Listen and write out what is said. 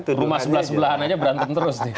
rumah sebelah sebelahan aja berantem terus